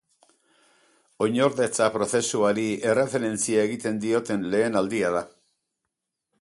Oinordekotza prozesuari erreferentzia egiten ditoen lehen aldia da.